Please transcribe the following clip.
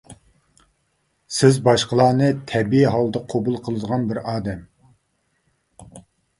سىز باشقىلارنى تەبىئىي ھالدا قوبۇل قىلىدىغان بىر ئادەم.